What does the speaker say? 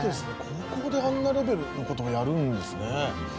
高校であんなレベルの事をやるんですね。